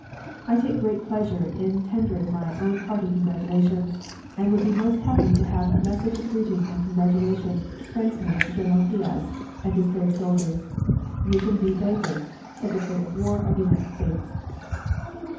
I take great pleasure in tendering my own hearty congratulations, and would be most happy to have a message of greeting and congratulation transmitted to General Diaz and his brave soldiers. NEWTON D. BAKER, Secretary of War of the United States.